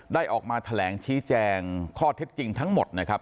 ออกมาแถลงชี้แจงข้อเท็จจริงทั้งหมดนะครับ